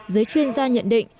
giới chuyên gia nhận định